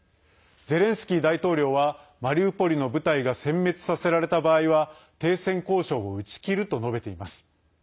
ゼレンスキー大統領はマリウポリの部隊がせん滅させられた場合は停戦交渉を打ち切ると述べています。